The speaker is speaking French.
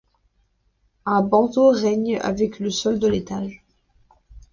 Un bandeau règne avec le sol de l'étage.